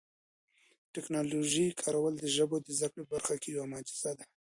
د ټکنالوژۍ کارول د ژبو د زده کړې په برخه کي یو معجزه ده.